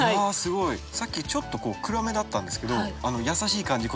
さっきちょっと暗めだったんですけど優しい感じ